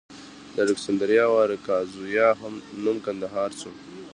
د الکسندریه اراکوزیا نوم کندهار شو